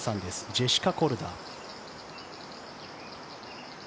ジェシカ・コルダ。